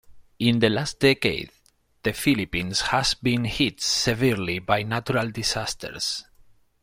In the last decade, the Philippines has been hit severely by natural disasters.